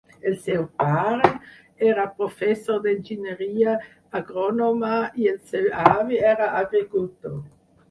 El seu pare era professor d'enginyeria agrònoma i el seu avi era agricultor.